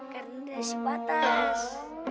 karena dasi patas